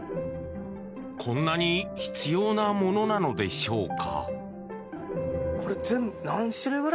こんなに必要なものなのでしょうか？